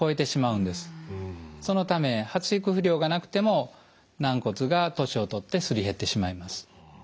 そのため発育不良がなくても軟骨が年を取ってすり減ってしまいます。